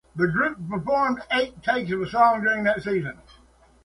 The group performed eight takes of the song during that session.